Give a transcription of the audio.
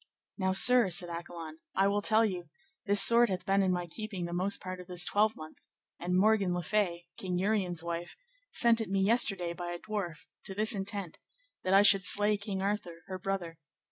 Now, sir, said Accolon, I will tell you; this sword hath been in my keeping the most part of this twelvemonth; and Morgan le Fay, King Uriens' wife, sent it me yesterday by a dwarf, to this intent, that I should slay King Arthur, her brother.